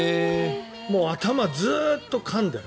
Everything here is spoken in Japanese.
もう頭、ずっとかんでる。